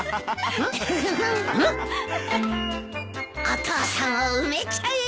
お父さんを埋めちゃえ。